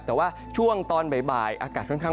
แต่ว่าช่วงตอนบ่ายอากาศค่อนข้าง